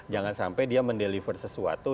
jangan sampai dia mendeliver sesuatu